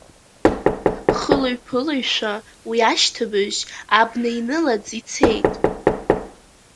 Хылаҩ-ԥылаҩшәа уи ашьҭыбжь абна инылаӡ ицеит.